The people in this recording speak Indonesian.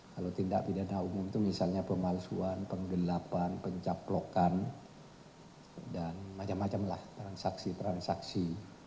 kalau tindak pidana umum itu misalnya pemalsuan penggelapan pencaplokan dan macam macam lah transaksi transaksi